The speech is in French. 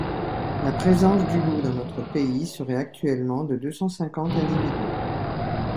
La présence du loup dans notre pays serait actuellement de deux cent cinquante individus.